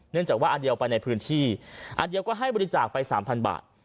เนื่องจากว่าอเดียวไปในพื้นที่อเดียวก็ให้บริจาคไป๓๐๐๐บาท